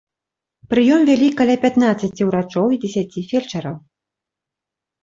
Прыём вялі каля пятнаццаці ўрачоў і дзесяці фельчараў.